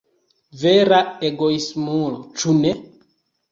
Vera egoismulo, ĉu ne?